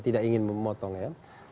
tidak ingin memotong ya